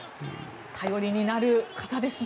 頼りになる方ですね。